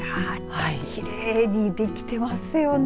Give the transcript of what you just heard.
きれいに出来てますよね。